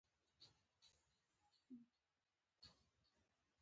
ځار شم له تانه ياره ویښ کېنه.